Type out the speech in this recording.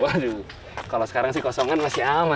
waduh kalau sekarang sih kosongan masih aman